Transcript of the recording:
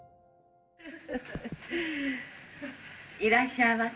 いらっしゃいませ。